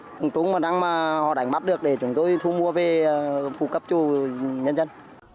chúng mà đang đánh bắt được để chúng tôi thu mua về phù cấp cho nhân dân